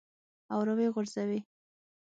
او راویې غورځوې.